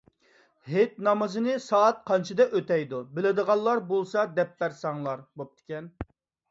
ھېيت نامىزىنى سائەت قانچىدە ئۆتەيدۇ؟ بىلىدىغانلار بولسا دەپ بەرسەڭلار بوپتىكەن.